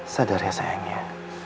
sadar ya sayangnya